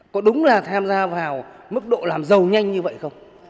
có đúng là tham gia vào mức độ làm giàu nhanh như vậy không